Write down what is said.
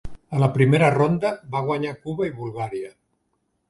A la primera ronda, va guanyar Cuba i Bulgària.